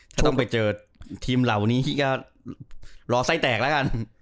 ถ้าต้องไปเจอทีมเหล่านี้ก็รอไส้แตกแล้วกัน